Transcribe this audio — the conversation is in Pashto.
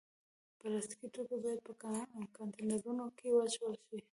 پلاستيکي توکي باید په کانټینرونو کې واچول شي.